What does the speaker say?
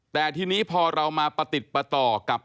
แต่ทีนี้พอเรามาประติดประต่อกับ